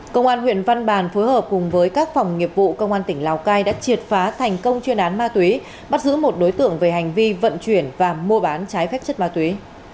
công an huyện văn bàn phối hợp cùng với các phòng nghiệp vụ công an tỉnh lào cai đã triệt phá thành công chuyên án ma túy bắt giữ một đối tượng về hành vi vận chuyển và mua bán trái phép chất ma túy